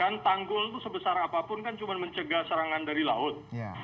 kan tanggul itu sebesar apapun kan cuma mencegah serangan dari laut